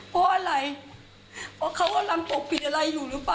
เพราะอะไร